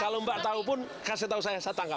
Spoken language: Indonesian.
kalau mbak tahu pun kasih tahu saya saya tangkap